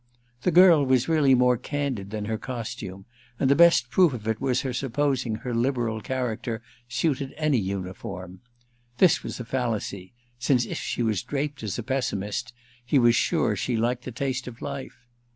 The girl was really more candid than her costume, and the best proof of it was her supposing her liberal character suited by any uniform. This was a fallacy, since if she was draped as a pessimist he was sure she liked the taste of life.